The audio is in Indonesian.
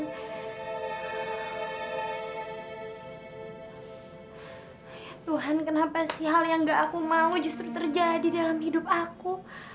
tuhan kenapa sih hal yang gak aku mau justru terjadi dalam hidup aku